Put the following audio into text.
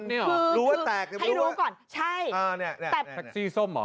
นี่เหรอให้รู้ก่อนใช่แต่แท็กซี่ส้มเหรอ